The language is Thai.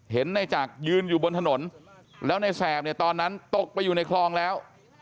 เห็นในจักรยืนอยู่บนถนนแล้วในแสบเนี่ยตอนนั้นตกไปอยู่ในคลองแล้ว